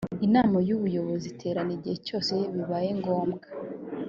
inama y ubuyobozi iterana igihe cyose bibaye ngombwa